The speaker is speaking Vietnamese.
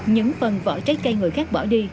những phần vỏ trái cây người khác bỏ đi